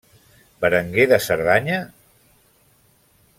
Berenguer de Cerdanya?